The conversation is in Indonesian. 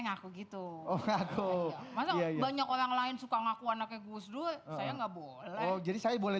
ngaku gitu oh aku banyak orang lain suka ngaku anaknya gusdur saya nggak boleh jadi saya boleh